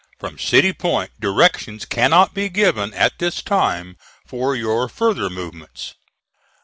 From City Point directions cannot be given at this time for your further movements.